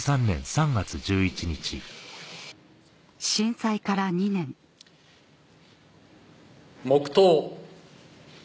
震災から２年黙祷。